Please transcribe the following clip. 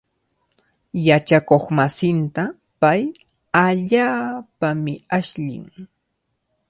Yachakuqmasinta pay allaapami ashllin.